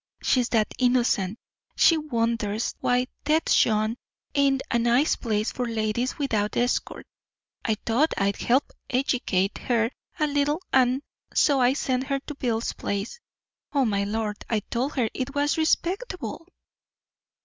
She's that innocent she wonders why Tête Jaune ain't a nice place for ladies without escort. I thought I'd help eggicate her a little an' so I sent her to Bill's place. Oh, my Lord, I told her it was respectable!"